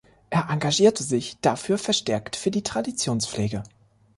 Er engagierte sich dafür verstärkt für die Traditionspflege.